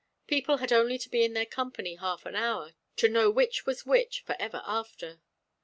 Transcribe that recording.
People only had to be in their company half an hour to know which was which for ever after.